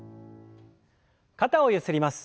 肩をゆすります。